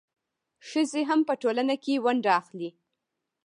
ښځې هم په ټولنه کې ونډه اخلي.